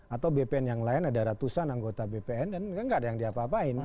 atau bpn yang lain ada ratusan anggota bpn dan nggak ada yang diapa apain